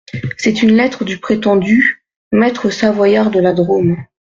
C’est une lettre du prétendu… maître Savoyard de la Drôme.